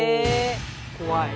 怖い。